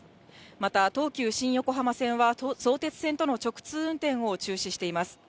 また東急新横浜線は相鉄線との直通運転を中止しています。